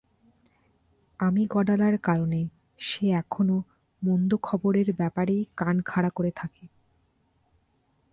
আমিগডালার কারণে সে এখনো মন্দ খবরের ব্যাপারেই কান খাড়া করে থাকে।